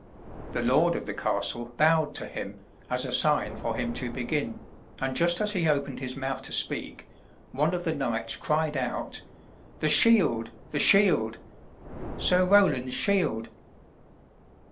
The lord of the castle bowed to him as a sign for him to begin, and just as he opened his mouth to speak, one of the knights cried out: "The shield! the shield! Sir Roland's shield!"